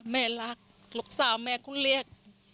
แม่รักลูกสาวแม่ก็เรียก